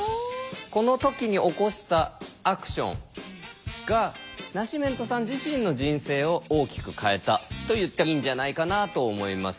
この時に起こしたアクションがナシメントさん自身の人生を大きく変えたと言っていいんじゃないかなと思います。